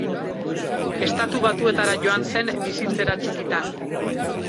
Estatu Batuetara joan zen bizitzera txikitan.